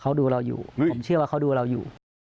เขาดูเราอยู่ผมเชื่อว่าเขาดูเราอยู่